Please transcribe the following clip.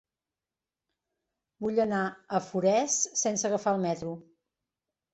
Vull anar a Forès sense agafar el metro.